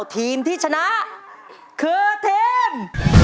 ทีมที่ชนะคือทีม